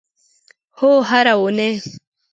هو، هره اونۍ